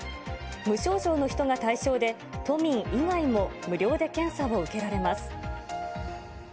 無症状の人が対象で、都民以外も無料で検査を受けられます。